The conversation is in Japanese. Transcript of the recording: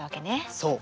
そう。